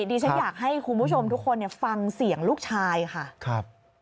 ดิฉันอยากให้คุณผู้ชมทุกคนฟังเสียงลูกชายค่ะครับ